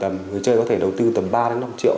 người chơi có thể đầu tư tầm ba năm triệu